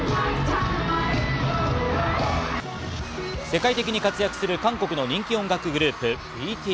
世界的に活躍する韓国の人気音楽グループ、ＢＴＳ。